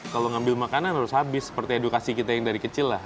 kalau ngambil makanan harus habis seperti edukasi kita yang dari kecil lah